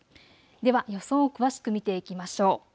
では予想を詳しく見ていきましょう。